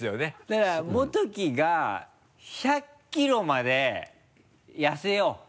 だからモトキが１００キロまで痩せよう。